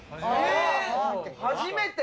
初めて？